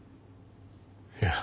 いや。